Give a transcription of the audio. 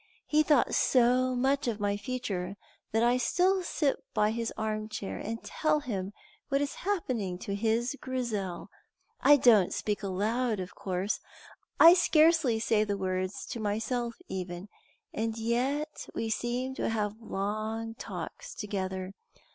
He thought so much of my future that I still sit by his arm chair and tell him what is happening to his Grizel. I don't speak aloud, of course; I scarcely say the words to myself even; and yet we seem to have long talks together.